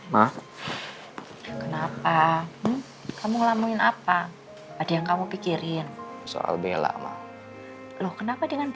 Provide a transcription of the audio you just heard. ren ma kenapa kamu ngelamuin apa ada yang kamu pikirin soal bella ma loh kenapa dengan